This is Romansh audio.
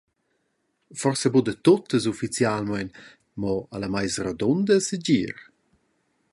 Forsa buca da tuttas ufficialmein, mo alla meisa rodunda segir.